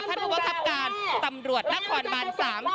ท่านบุคคับการณ์ตำรวจนักควรบรรณสาม